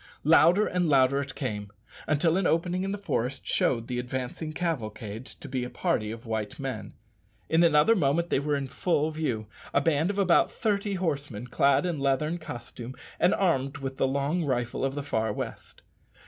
Louder and louder it came, until an opening in the forest showed the advancing cavalcade to be a party of white men. In another moment they were in full view a band of about thirty horsemen, clad in the leathern costume and armed with the long rifle of the far west.